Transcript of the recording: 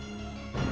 pergi ke sana